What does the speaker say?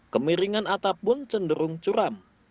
kemiringan atap pun cenderung curam